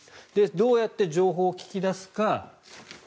どうやって情報を聞き出すか。